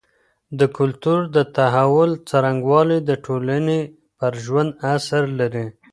د کلتور د تحول څرنګوالی د ټولني پر ژوند اثر لري.